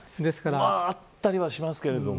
あったりはしますけどね。